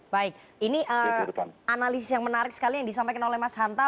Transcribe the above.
baik ini analisis yang menarik sekali yang disampaikan oleh mas hanta